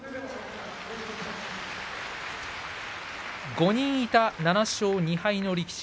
５人いた７勝２敗の力士